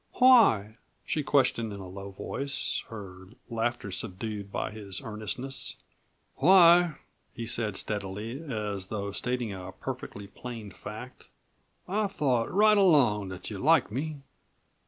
"Why?" she questioned in a low voice, her laughter subdued by his earnestness. "Why," he said steadily, as though stating a perfectly plain fact, "I've thought right along that you liked me.